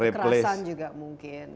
kekerasan juga mungkin